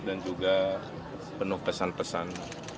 dan juga penuh pesan pesan